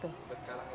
bisa sekarang ya